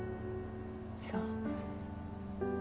そう。